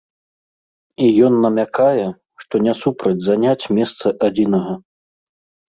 І ён намякае, што не супраць заняць месца адзінага.